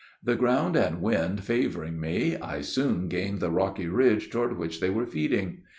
The ground and wind favoring me, I soon gained the rocky ridge toward which they were feeding.